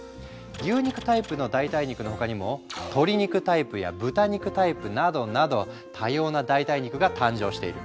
牛肉タイプの代替肉の他にも鶏肉タイプや豚肉タイプなどなど多様な代替肉が誕生している。